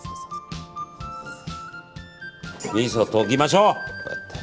みそを溶きましょう。